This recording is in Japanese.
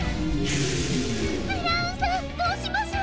ブラウンさんどうしましょう？